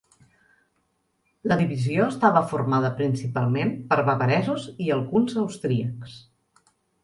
La divisió estava formada principalment per bavaresos i alguns austríacs.